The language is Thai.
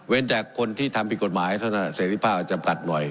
เว้นจากคนที่ทำกฏหมายเท่าน่ะเสร็จริภาพอาจจะปรับหน่อย